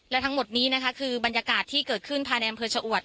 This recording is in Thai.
และทั้งหมดนี้นะคะคือบรรยากาศที่เกิดขึ้นภายในอำเภอชะอวด